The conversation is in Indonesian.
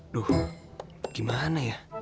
duh gimana ya